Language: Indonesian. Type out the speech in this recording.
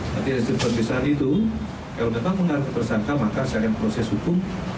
tapi dari saat itu kalau mereka menghargai tersangka maka saya akan proses hukum